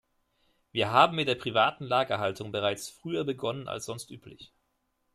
Wir haben mit der privaten Lagerhaltung bereits früher begonnen als sonst üblich.